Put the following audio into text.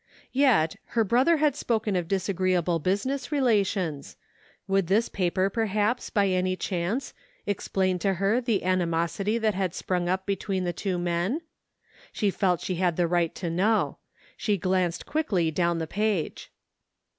Yet, her brother had spoken of disagreeable business relations. Would this paper, perhaps, by any chance, explain to her the animosity that had sprung up be tween the two men? She felt she had the right to know. She glanced quickly down the page.